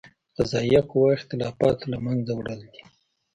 قضائیه قوه اختلافاتو له منځه وړل دي.